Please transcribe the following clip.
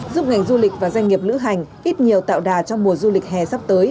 giúp ngành du lịch và doanh nghiệp lữ hành ít nhiều tạo đà trong mùa du lịch hè sắp tới